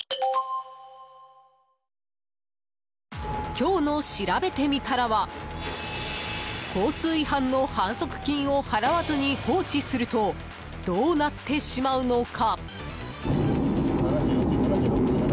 今日のしらべてみたらは交通違反の反則金を払わずに放置するとどうなってしまうのか。